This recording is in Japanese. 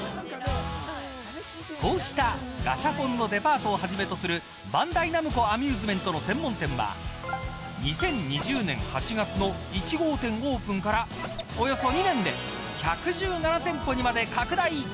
こうしたガシャポンのデパートをはじめとするバンダイナムコアミューズメントの専門店は２０２０年８月の１号店オープンからおよそ２年で１１７店舗にまで拡大。